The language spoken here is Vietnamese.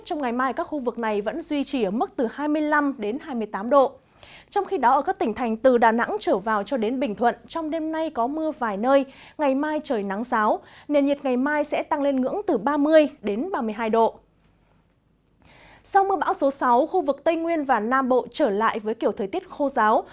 sau mưa bão số sáu khu vực tây nguyên và nam bộ trở lại với kiểu thời tiết khô ráo